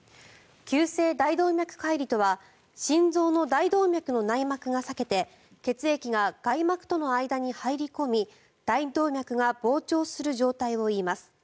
急性大動脈解離とは心臓の大動脈の内膜が裂けて血液が外膜との間に入り込み大動脈が膨張する状態を言います。